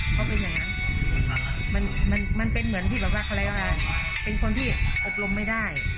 เพราะเป็นอย่างงั้นมันมันมันเป็นเหมือนที่แบบว่าเป็นคนที่อบรมไม่ได้